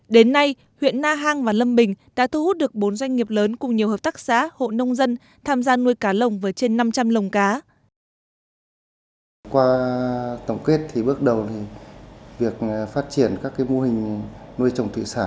đến nay huyện na hàng và lâm bình đã thu hút được bốn doanh nghiệp lớn cùng nhiều hợp tác xã hộ nông dân tham gia nuôi cá lồng với trên năm trăm linh lồng cá